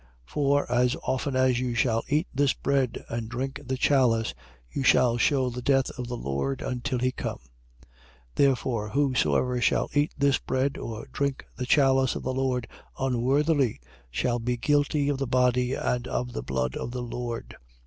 11:26. For as often as you shall eat this bread and drink the chalice, you shall shew the death of the Lord, until he come. 11:27. Therefore, whosoever shall eat this bread, or drink the chalice of the Lord unworthily, shall be guilty of the body and of the blood of the Lord.